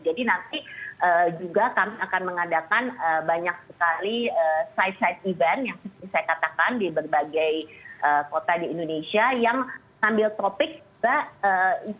jadi nanti juga kami akan mengadakan banyak sekali side side event yang saya katakan di berbagai kota di indonesia yang sambil topik bisa dikedepankan oleh indonesia tadi gitu